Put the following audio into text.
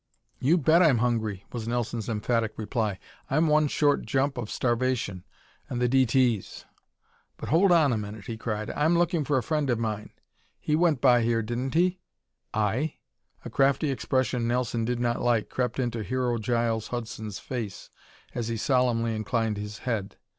"You bet I'm hungry," was Nelson's emphatic reply. "I'm one short jump of starvation and the D. T.'s. But hold on a minute," he cried. "I'm looking for a friend of mine. He went by here, didn't he?" "Aye." A crafty expression Nelson did not like crept into Hero Giles Hudson's face as he solemnly inclined his head.